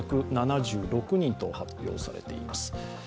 １８７６人と発表されています。